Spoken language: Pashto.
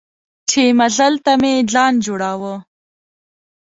چې مزل ته مې ځان جوړاوه.